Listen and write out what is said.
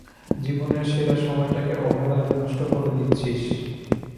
জীবনের সেরা সময়টাকে অবহেলায় নষ্ট করে দিচ্ছিস।